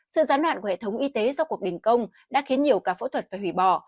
sự gián đoạn của hệ thống y tế do cuộc đình công đã khiến nhiều ca phẫu thuật phải hủy bỏ